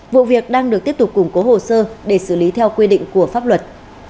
vụ việc đang được tiếp tục củng cố hồ sơ để xử lý theo quy định của pháp luật